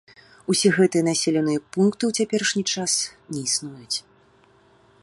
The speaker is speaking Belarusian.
Усе гэтыя населеныя пункты ў цяперашні час не існуюць.